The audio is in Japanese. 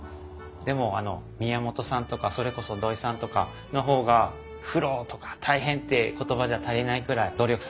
でも宮本さんとかそれこそ土井さんとかの方が苦労とか大変って言葉じゃ足りないくらい努力されて苦労されとると思います。